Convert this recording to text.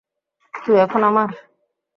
তুই এখন আমার!